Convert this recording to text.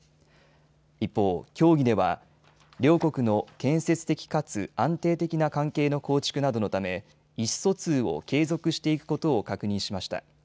一方、協議では両国の建設的かつ安定的な関係の構築などのため意思疎通を継続していくことを確認しました。